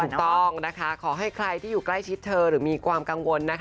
ถูกต้องนะคะขอให้ใครที่อยู่ใกล้ชิดเธอหรือมีความกังวลนะคะ